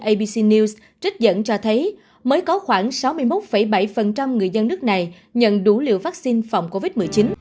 abc news trích dẫn cho thấy mới có khoảng sáu mươi một bảy người dân nước này nhận đủ liều vaccine phòng covid một mươi chín